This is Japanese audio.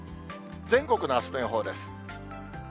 全国のあすの予報です。